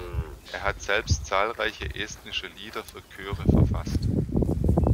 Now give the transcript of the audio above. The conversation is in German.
Er hat selbst zahlreiche estnische Lieder für Chöre verfasst.